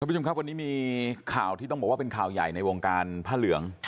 ผู้ชมครับวันนี้มีข่าวที่ต้องบอกว่าเป็นข่าวใหญ่ในวงการผ้าเหลือง